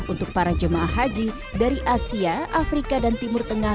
untuk para jemaah haji dari asia afrika dan timur tengah